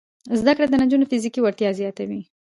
زده کړه د نجونو فزیکي وړتیا زیاتوي.